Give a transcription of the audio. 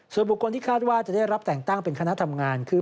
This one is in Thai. ส่วนบุคคลที่คาดว่าจะได้รับแต่งตั้งเป็นคณะทำงานคือ